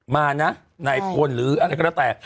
มานะนายพลหรืออะไรก็แล้วแต่